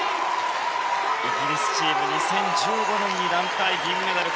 イギリスチームは２０１５年に団体金メダル。